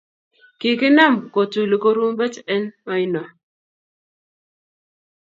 kikinam kotuli kurumbet eng' oine.